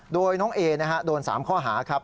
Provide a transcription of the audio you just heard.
โดยน้องเอโดน๓ข้อหาครับ